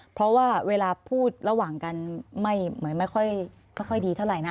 เพราะว่าเวลาพูดระหว่างกันไม่เหมือนไม่ค่อยดีเท่าไหร่นะ